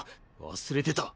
忘れてた。